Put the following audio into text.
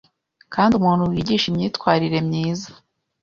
Kandi umuntu wigisha imyitwarire myiza